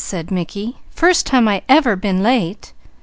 said Mickey. "First time I ever been late.